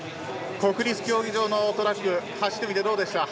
国立競技場のトラック走ってみてどうでしたか。